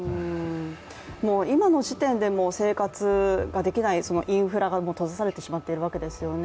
今の時点で生活ができないインフラが閉ざされてしまっているわけですよね。